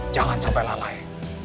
jangan sampai lalai